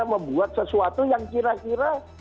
membuat sesuatu yang kira kira